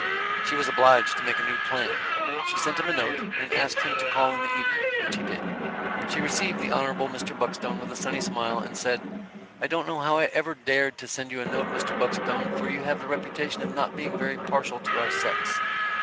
She was obliged to make a new plan. She sent him a note, and asked him to call in the evening which he did. She received the Hon. Mr. Buckstone with a sunny smile, and said: "I don't know how I ever dared to send you a note, Mr. Buckstone, for you have the reputation of not being very partial to our sex."